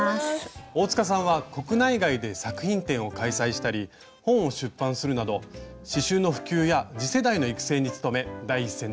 大さんは国内外で作品展を開催したり本を出版するなど刺しゅうの普及や次世代の育成に努め第一線で活躍されています。